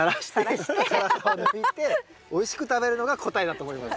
皮むいておいしく食べるのが答えだと思います。